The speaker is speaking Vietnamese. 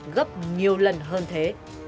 gấp nhiều lần hơn thế